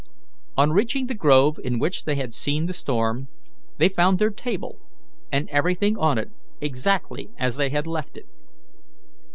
On reaching the grove in which they had seen the storm, they found their table and everything on it exactly as they had left it.